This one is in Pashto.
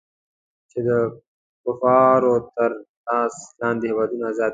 چې د کفارو تر لاس لاندې هېوادونه ازاد کړي.